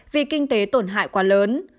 vì kinh tế tổn hại quá lớn